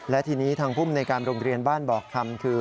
และทีนี้ทางภูมิในการโรงเรียนบ้านบอกคำคือ